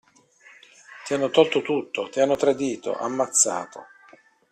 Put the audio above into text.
Ti hanno tolto tutto, ti hanno tradito, ammazzato.